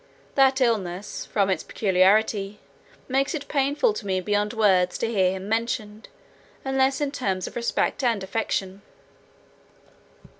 That illness, from its peculiarity, makes it painful to me beyond words to hear him mentioned, unless in terms of respect and affection."